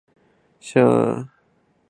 求其下